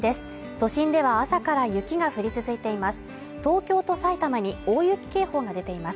都心では朝から雪が降り続いています